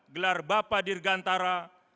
gelar bapak dirgantara